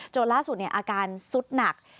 โจทย์ล่าสุดอาการสุดหนัก